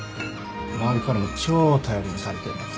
周りからも超頼りにされてんだから。